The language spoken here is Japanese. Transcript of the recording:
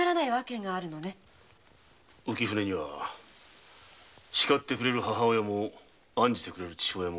浮舟にはしかってくれる母親も案じてくれる父親もいないのだ。